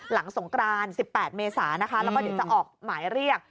หลังสงคราน๑๘เมษาแล้วก็จะออกหมายเรียก